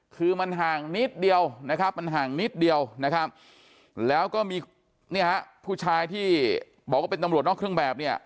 คือมันห่างนิดเดียวนะครับมันห่างนิดเดียวนะครับแล้วก็มีเนี่ยฮะผู้ชายที่บอกว่าเป็นตำรวจนอกเครื่องแบบเนี่ย